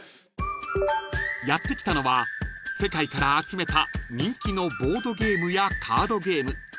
［やって来たのは世界から集めた人気のボードゲームやカードゲーム